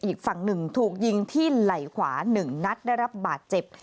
อีกฝั่งหนึ่งถูกยิงที่ไหล่ขวา๑นัดได้รับบาดเจ็บ